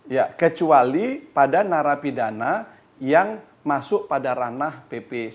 ya kecuali pada narapidana yang masuk pada ranah pp sembilan puluh